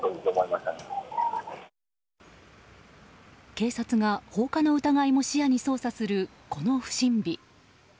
警察が放火の疑いも視野に捜査する、この不審火。